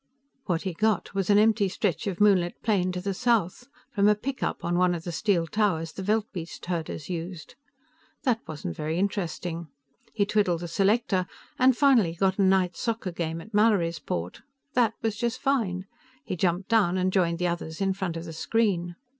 What he got was an empty stretch of moonlit plain to the south, from a pickup on one of the steel towers the veldbeest herders used. That wasn't very interesting; he twiddled the selector and finally got a night soccer game at Mallorysport. That was just fine; he jumped down and joined the others in front of the screen.